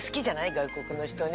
外国の人ね。